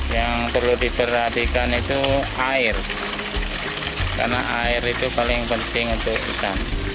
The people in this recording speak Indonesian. yang perlu diperhatikan itu air karena air itu paling penting untuk ikan